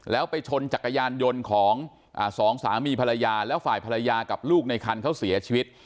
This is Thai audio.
แล้วไปชนจักรยานยนต์ของสองสามีภรรยาแล้วฝ่ายภรรยากับลูกในคันเขาเสียชีวิต